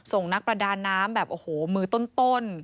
นักประดาน้ำแบบโอ้โหมือต้น